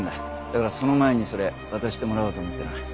だからその前にそれ渡してもらおうと思ってな。